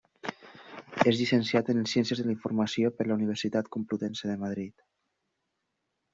És llicenciat en Ciències de la Informació per la Universitat Complutense de Madrid.